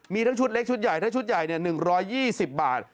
มีทั้งชุดเล็กชุดใหญ่ทั้งชุดใหญ่๑๒๐บาท